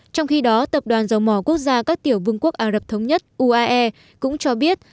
trong khi đó tập đoàn dầu mỏ quốc gia các tiểu vương quốc ả rập thống nhất uae cũng cho biết